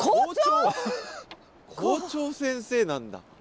校長先生なんだ。